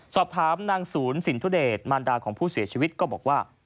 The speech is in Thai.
สอบถามนางศูนย์สินทุเดชมารดาของผู้เสียชีวิตก็บอกว่า